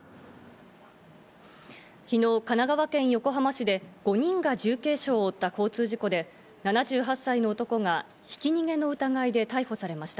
昨日、神奈川県横浜市で５人が重軽傷を負った交通事故で、７８歳の男がひき逃げの疑いで逮捕されました。